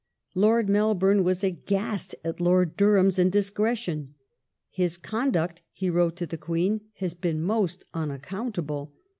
Lord Melbourne was aghast at Lord Durham's indiscretion. His conduct, he wrote to the Queen, " has been most unaccountable.